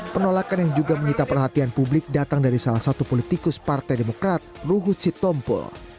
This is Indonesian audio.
penolakan yang juga menyita perhatian publik datang dari salah satu politikus partai demokrat luhut sitompul